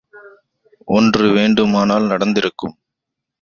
ஒன்று வேண்டுமானால் நடந்திருக்கும்.